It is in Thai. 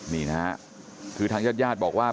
นี่นะฮะคือทางญาติญาติบอกว่า